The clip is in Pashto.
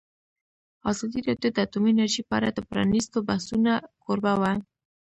ازادي راډیو د اټومي انرژي په اړه د پرانیستو بحثونو کوربه وه.